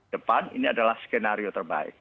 depan ini adalah skenario terbaik